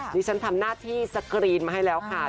ฉันทำหน้าที่สกรีนมาให้แล้าขา